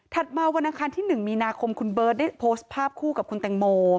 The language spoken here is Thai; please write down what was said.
มาวันอังคารที่๑มีนาคมคุณเบิร์ตได้โพสต์ภาพคู่กับคุณแตงโม